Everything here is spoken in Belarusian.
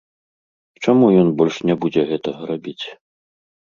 Чаму ён больш не будзе гэтага рабіць?